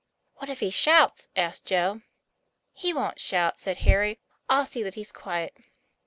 "What if he shouts?" asked Joe. "He wont shout," said Harry; "I'll see that he's quiet."